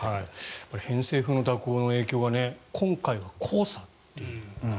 偏西風の蛇行の影響が今回は黄砂という。